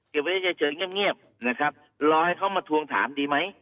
เก็บไว้เฉยเฉยเงียบเงียบนะครับรอให้เขามาทวงถามดีไหม